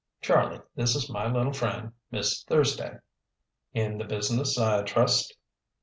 Charlie, this is my little friend, Miss Thursday." "In the business, I trust?"